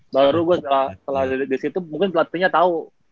baru gue setelah disitu mungkin pelatihnya tau